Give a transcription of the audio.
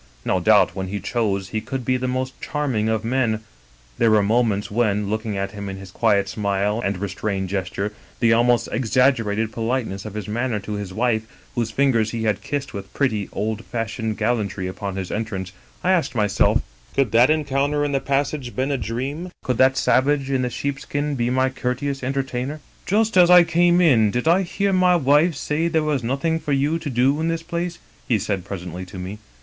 No doubt when he chose he could be the most charming of men; there were mo ments when, looking at him in his quiet smile and re strained gesture, the almost exaggerated politeness of his manner to his wife, whose fingers he had kissed with pretty, old fashioned gallantry upon his entrance, I asked myself, Could that encounter in the passage have been a dream? Could that savage in the sheepskin be my courteous enter tainer ?"* Just as I came in, did I hear my wife say there was nothing for you to do in this place?' he said presently to me.